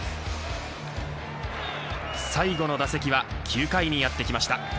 最後の打席は９回にやってきました。